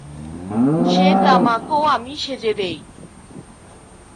সেই তামাকও আমি সেজে দেই।